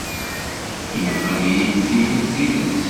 Ilaq ad iyi-d-tiniḍ tidet.